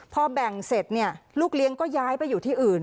พอแบ่งเสร็จเนี่ยลูกเลี้ยงก็ย้ายไปอยู่ที่อื่น